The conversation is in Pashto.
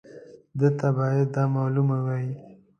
ده ته باید دا معلومه وای.